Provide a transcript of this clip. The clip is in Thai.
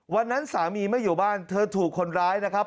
วันนั้นสามีไม่อยู่บ้านเธอถูกคนร้ายนะครับ